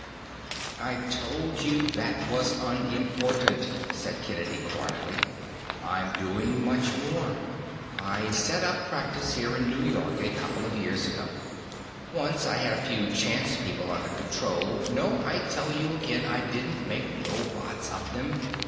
"I told you that was unimportant," said Kennedy quietly. "I'm doing much more. I set up in practice here in New York a couple of years ago. Once I had a few chance people under control no, I tell you again, I didn't make robots of them.